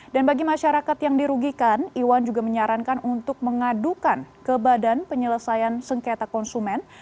dan bagi masyarakat yang dirugikan iwan juga menyarankan untuk mengadukan ke badan penyelesaian sengketa konsumen